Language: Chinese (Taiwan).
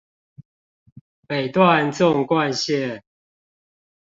北段縱貫線